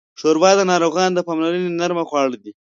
ښوروا د ناروغانو د پاملرنې نرمه خواړه ده.